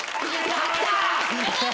やった！